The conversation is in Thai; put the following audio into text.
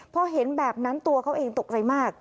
พอเห็นแบบนั้นตัวเขาเองตกใจมาก